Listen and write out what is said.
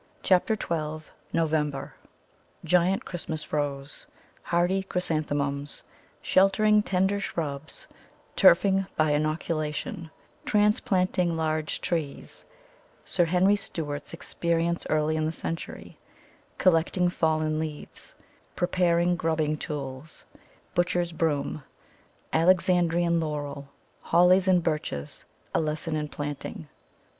CHAPTER XII NOVEMBER Giant Christmas Rose Hardy Chrysanthemums Sheltering tender shrubs Turfing by inoculation Transplanting large trees Sir Henry Steuart's experience early in the century Collecting fallen leaves Preparing grubbing tools Butcher's Broom Alexandrian Laurel Hollies and Birches A lesson in planting.